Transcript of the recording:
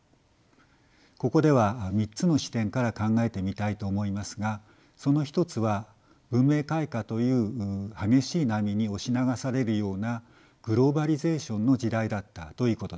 ここでは３つの視点から考えてみたいと思いますがその一つは文明開化という激しい波に押し流されるようなグローバリゼーションの時代だったということです。